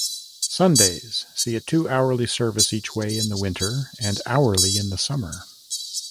Sundays see a two-hourly service each way in the winter and hourly in summer.